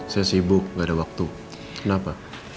saya sibuk gak ada waktu kenapa